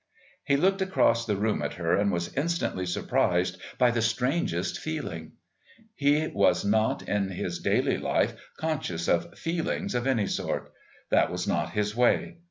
He looked across the room at her and was instantly surprised by the strangest feeling. He was not, in his daily life, conscious of "feelings" of any sort that was not his way.